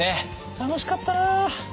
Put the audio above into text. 楽しかったな。